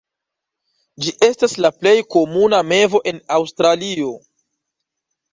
Ĝi estas la plej komuna mevo en Aŭstralio.